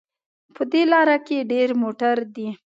په دې لاره کې ډېر موټر دي